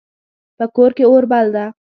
په کور کې اور بل ده